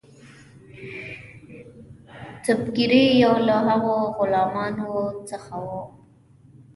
سُبکري یو له هغو غلامانو څخه وو.